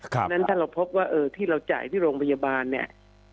เพราะฉะนั้นถ้าเราพบว่าที่เราจ่ายที่โรงพยาบาลเนี่ย